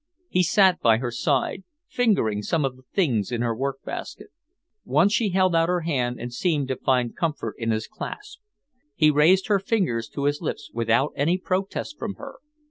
He sat by her side, fingering some of the things in her work basket. Once she held out her hand and seemed to find comfort in his clasp. He raised her fingers to his lips without any protest from her.